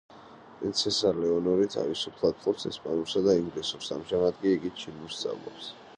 პრინცესა ლეონორი თავისუფლად ფლობს ესპანურსა და ინგლისურს, ამჟამად კი იგი ჩინურს სწავლობს.